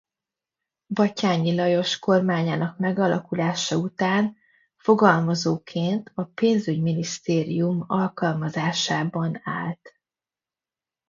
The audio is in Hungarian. Batthyány Lajos kormányának megalakulása után fogalmazóként a pénzügyminisztérium alkalmazásában állt.